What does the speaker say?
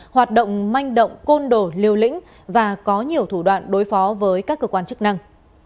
hoạt động manh động côn đồ liều lĩnh và có nhiều thủ đoạn đối phó với các cơ quan chức năng